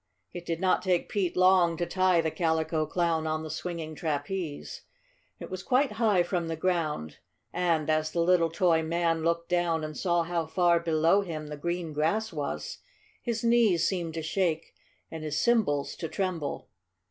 It did not take Pete long to tie the Calico Clown on the swinging trapeze. It was quite high from the ground, and as the little toy man looked down and saw how far below him the green grass was, his knees seemed to shake and his cymbals to tremble.